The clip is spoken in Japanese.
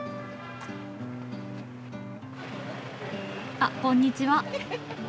あっこんにちは。